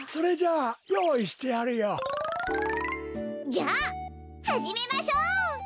じゃあはじめましょう！